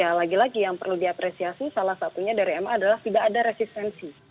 dan ya lagi lagi yang perlu diapresiasi salah satunya dari ma adalah tidak ada resistensi